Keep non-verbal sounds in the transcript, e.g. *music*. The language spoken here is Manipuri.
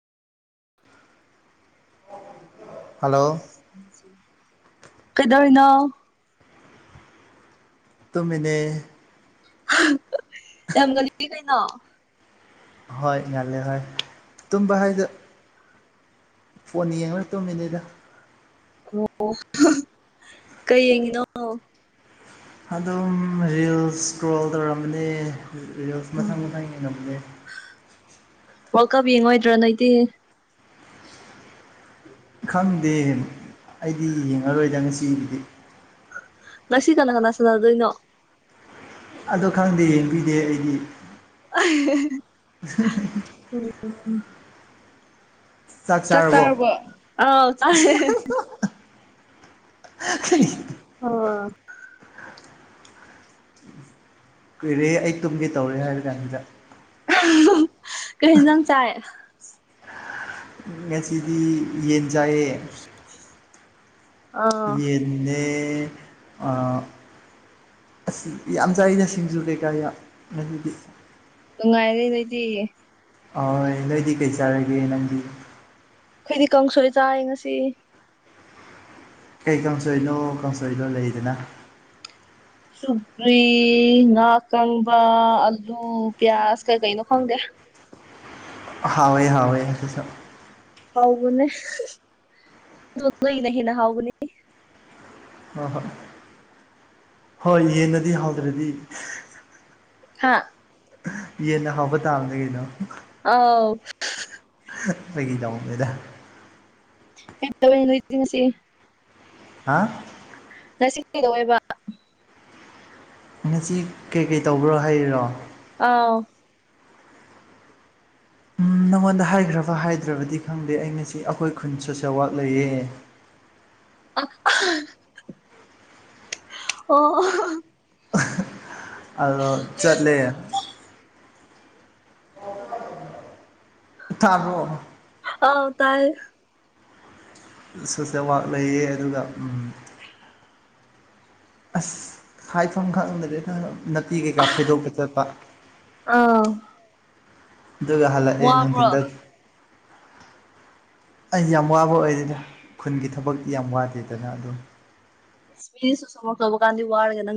ꯍꯜꯂꯣ ꯀꯗꯧꯔꯤꯅꯣ ꯇꯨꯃꯤꯅꯦ ꯌꯥꯝ ꯉꯜꯂꯤ ꯀꯩꯅꯣ ꯍꯣꯏ ꯉꯜꯂꯦ ꯍꯣꯏ ꯇꯨꯝꯕ ꯍꯥꯏꯗꯤ ꯐꯣꯟ ꯌꯦꯡꯂ ꯇꯨꯝꯃꯤꯅꯤꯗ ꯑꯣ ꯀꯩ ꯌꯦꯡꯉꯤꯅꯣ ꯑꯗꯨꯝ ꯔꯤꯜꯁ ꯏꯁꯀ꯭ꯔꯣꯜ ꯇꯧꯔꯝꯕꯅꯦ ꯔꯤꯜꯁ ꯃꯊꯪ ꯃꯊꯪ ꯌꯦꯡꯉꯝꯕꯅꯦ ꯋꯥꯔꯜ ꯀꯞ ꯌꯦꯡꯉꯣꯏꯗ꯭ꯔꯣ ꯅꯣꯏꯗꯤ ꯈꯪꯗꯦ ꯑꯩꯗꯤ ꯌꯦꯡꯉꯔꯣꯏꯗ ꯉꯁꯤꯒꯤꯗꯤ ꯉꯁꯤ ꯀꯅꯥ ꯀꯅꯥ ꯁꯥꯟꯅꯗꯣꯏꯅꯣ ꯑꯗꫭ ꯈꯪꯗꯦ ꯌꯦꯡꯕꯤꯗꯦ ꯑꯩꯗꯤ *unintelligible* ꯆꯥꯛ ꯆꯥꯔꯕꯣ ꯑꯥꯎ ꯆꯥꯔꯦ ꯑ ꯀꯨꯏꯔꯦꯍꯦ ꯑꯩ ꯇꯨꯝꯒꯦ ꯇꯧꯔꯦ ꯍꯥꯏꯔ ꯀꯥꯟꯖꯤꯗ ꯀꯔꯤ ꯍꯤꯟꯖꯥꯡ ꯆꯥꯏ ꯉꯁꯤꯗꯤ ꯌꯦꯟ ꯆꯥꯏꯌꯦ *inaudible* ꯑꯥ ꯌꯦꯟꯅꯦ ꯑꯥ ꯑꯁ ꯌꯥꯝ ꯆꯥꯏꯗ ꯁꯤꯡꯖꯨ ꯀꯩꯀꯥ ꯌꯥꯝ ꯉꯁꯤꯗꯤ ꯅꯨꯡꯉꯥꯏꯔꯦ ꯅꯣꯏꯗꯤ ꯑꯣꯏ ꯅꫭꯏꯗꯤ ꯀꯩ ꯆꯥꯔꯒꯦ ꯅꯪꯗꯤ ꯑꯩꯈꯣꯏꯗꯤ ꯀꯥꯡꯁꯣꯏꯦ ꯆꯥꯏꯌꯦ ꯉꯁꯤ ꯀꯩ ꯀꯥꯡꯁꯣꯏꯅꯣ ꯀꯥꯡꯁꯣꯏꯗꯣ ꯂꯩꯗꯅ ꯁꯨꯧꯒ꯭ꯔꯤ ꯉꯥ ꯑꯀꯪꯕ ꯑꯂꯨ ꯄꯤꯌꯥꯁ ꯀꯩ ꯀꯩꯅꯣ ꯈꯪꯗꯦ ꯍꯥꯎꯋꯦ ꯍꯥꯎꯋꯦ ꯑꯗꯨꯁꯨ ꯍꯥꯎꯕꯅꯦ ꯑꯗꯣ ꯅꯣꯏꯒꯤꯅ ꯍꯦꯟꯅ ꯍꯥꯎꯕꯅꯦ ꯍꯣ ꯍꯣꯏ ꯍꯣꯏ ꯌꯦꯟꯅꯗꯤ ꯍꯥꯎꯗ꯭ꯔꯗꯤ ꯍꯥꯥ ꯌꯦꯟꯅ ꯍꯥꯎꯕ ꯇꯥꯕꯅꯦ ꯀꯩꯅꯣ ꯑꯥꯎ ꯐꯥꯒꯤ ꯇꯧꯕꯅꯤꯗ ꯀꯩ ꯇꯧꯋꯦ ꯅꯣꯏꯗꯤ ꯉꯁꯤ ꯍꯥ ꯉꯁꯤ ꯀꯩꯗꯧ ꯋꯦꯕ ꯉꯁꯤ ꯀꯩꯀꯩ ꯇꯧꯕ꯭ꯔꯣ ꯍꯥꯏꯔꯤꯔꯣ ꯑꯥꯎ ꯎꯝ ꯅꯪꯉꯣꯟꯗ ꯍꯥꯏꯈ꯭ꯔꯕ ꯍꯥꯏꯗ꯭ꯔꯕꯗꯤ ꯈꯪꯗꯦ ꯑꯩ ꯉꯁꯤ ꯑꯩꯈꯣꯏ ꯈꯨꯟ ꯁꯣꯁꯦꯜ ꯋꯥꯛ ꯂꯩꯌꯦ *unintelligible* ꯑꯗꯣ ꯆꯠꯂꯦ ꯇꯥꯕ꯭ꯔꯣ ꯑꯧ ꯇꯥꯏꯌꯦ ꯁꯣꯁꯦꯜ ꯋꯥꯛ ꯂꯩꯌꯦ ꯑꯗꯨꯒ ꯑꯁ ꯍꯥꯏꯐꯝ ꯈꯪꯗ꯭ꯔꯦꯗ ꯅꯥꯄꯤ ꯀꯩꯀꯥ ꯐꯣꯏꯗꯣꯛꯄ ꯆꯠꯄ ꯑꯥꯎ ꯑꯗꯨꯒ ꯍꯜꯂꯛꯑꯦ ꯋꯥꯕ꯭ꯔꯣ ꯅꯨꯡꯊꯤꯟꯗ *unintelligible* ꯑꯩꯗꯤ ꯌꯥꯝ ꯋꯥꯕ ꯑꯣꯏꯗꯦꯗ ꯈꯨꯟꯒꯤ ꯊꯕꯛꯇꯤ ꯌꯥꯝ ꯋꯥꯗꯦꯗꯅ ꯑꯗꯨꯝ ꯃꯤꯗꯤ ꯁꯣꯁꯦꯜ ꯋꯥꯛ ꯇꯧꯕ ꯀꯥꯟꯗ ꯋꯥꯔꯒ ꯅꯪ